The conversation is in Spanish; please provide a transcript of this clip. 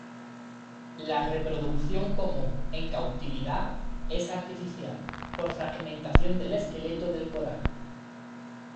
La reproducción común en cautividad es artificial, por fragmentación del esqueleto del coral.